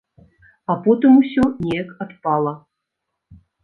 А потым усё неяк адпала.